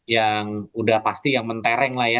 yang udah pasti yang mentereng lah ya